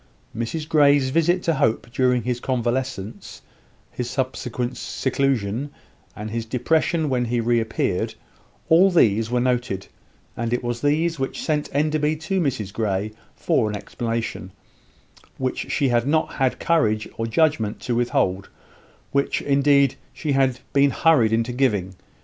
Mrs Grey's visit to Hope during his convalescence; his subsequent seclusion, and his depression when he reappeared all these were noted; and it was these which sent Enderby to Mrs Grey for an explanation, which she had not had courage or judgment to withhold which, indeed, she had been hurried into giving.